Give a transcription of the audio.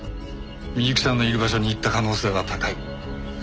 美雪さんのいる場所に行った可能性は高い。